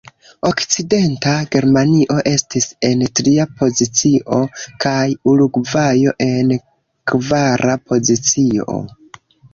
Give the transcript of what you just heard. Okcidenta Germanio estis en tria pozicio, kaj Urugvajo en kvara pozicio.